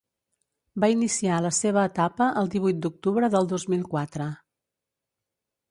Va iniciar la seva etapa el divuit d’octubre del dos mil quatre.